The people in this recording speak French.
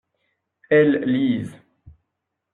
Elles lisent.